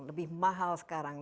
lebih mahal sekarang